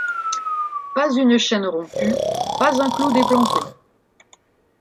Pas une chaîne rompue, pas un clou déplanté.